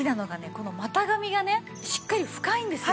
この股上がねしっかり深いんですよ。